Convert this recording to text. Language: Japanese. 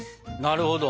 なるほど。